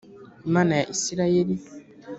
imana ya isirayeli